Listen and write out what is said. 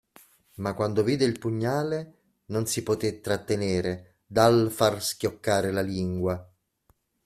Ma quando vide il pugnale, non si poté trattenere dal far schioccare la lingua.